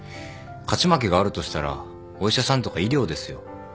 勝ち負けがあるとしたらお医者さんとか医療ですよ。